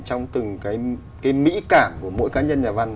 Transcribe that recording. trong từng cái mỹ cảm của mỗi cá nhân nhà văn